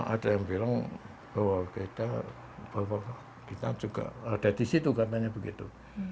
ada yang bilang bahwa kita juga ada di situ katanya begitu